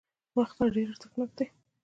وخت ډېر ارزښتناک دی